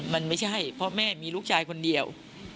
มันไม่ใช่เพราะแม่มีลูกชายคนเดียว